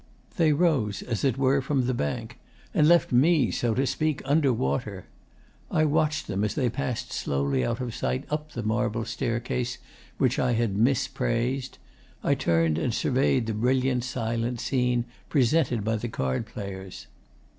'They rose, as it were from the bank, and left me, so to speak, under water. I watched them as they passed slowly out of sight up the marble staircase which I had mispraised. I turned and surveyed the brilliant, silent scene presented by the card players.